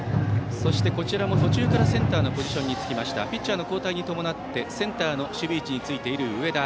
そしてこちらも、途中からセンターのポジションについたピッチャーの交代に伴ってセンターの守備位置についている上田。